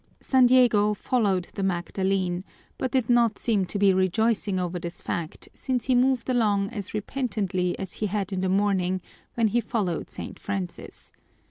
San Diego followed the Magdalene but did not seem to be rejoicing over this fact, since he moved along as repentantly as he had in the morning when he followed St. Francis.